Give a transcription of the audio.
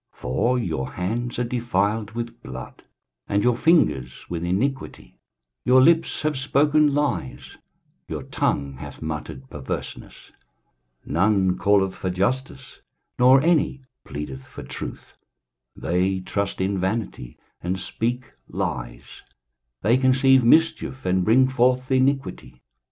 23:059:003 For your hands are defiled with blood, and your fingers with iniquity; your lips have spoken lies, your tongue hath muttered perverseness. 23:059:004 None calleth for justice, nor any pleadeth for truth: they trust in vanity, and speak lies; they conceive mischief, and bring forth iniquity.